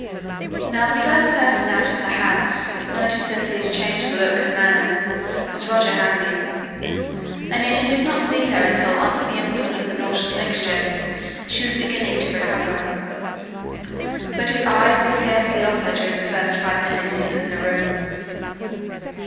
Now the first person out of the house to notice Cynthia's change of look and manner was Roger Hamley and yet he did not see her until, under the influence of the nauseous mixture, she was beginning to recover. But his eyes were scarcely off her during the first five minutes he was in the room.